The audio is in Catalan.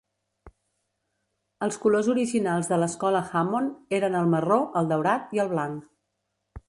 Els colors originals de l"escola Hammond eren el marró, el daurat i el blanc.